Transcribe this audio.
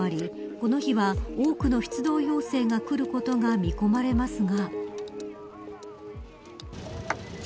この日は多くの出動要請がくることが見込まれますが。